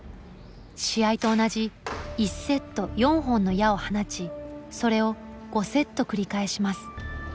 試合と同じ１セット４本の矢を放ちそれを５セット繰り返します。